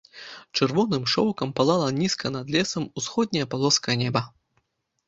Чырвоным шоўкам палала нізка над лесам усходняя палоска неба.